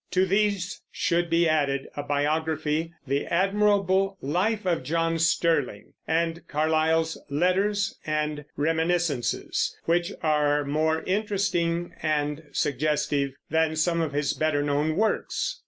To these should be added a biography, the admirable Life of John Sterling, and Carlyle's Letters and Reminiscences, which are more interesting and suggestive than some of his better known works.